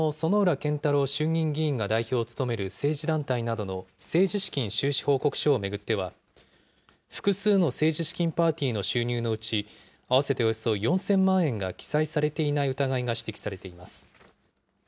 健太郎衆議院議員が代表を務める政治団体などの政治資金収支報告書を巡っては、複数の政治資金パーティーの収入のうち、合わせておよそ４０００万円が記載されていない疑いが指摘されています。